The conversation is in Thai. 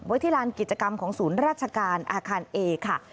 ที่ลานกิจกรรมของศูนย์ราชการอาคารเอค่ะ